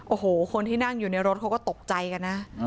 โอ้โหคนที่นั่งอยู่ในรถเขาก็ตกใจกันนะ